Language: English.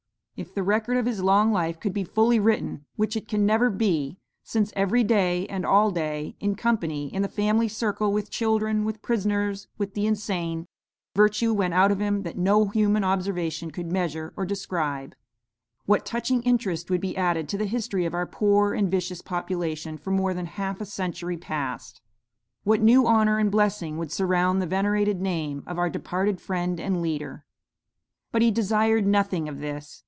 If the record of his long life could be fully written, which it can never be, since every day and all day, in company, in the family circle, with children, with prisoners, with the insane, 'virtue went out of him' that no human observation could measure or describe, what touching interest would be added to the history of our poor and vicious population for more than half a century past; what new honor and blessing would surround the venerated name of our departed friend and leader! "But he desired nothing of this.